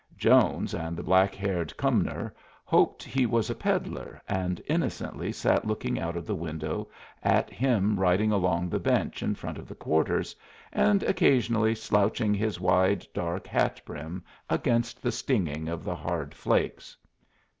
Jones and the black haired Cumnor hoped he was a peddler, and innocently sat looking out of the window at him riding along the bench in front of the quarters, and occasionally slouching his wide, dark hat brim against the stinging of the hard flakes.